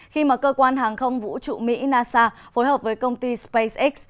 khi mà cơ quan hàng không vũ trụ mỹ nasa phối hợp với công ty space